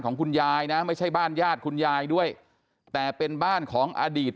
คุณยายนะไม่ใช่บ้านญาติคุณยายด้วยแต่เป็นบ้านของอดีต